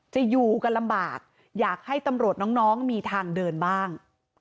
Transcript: อยู่กันลำบากอยากให้ตำรวจน้องมีทางเดินบ้าง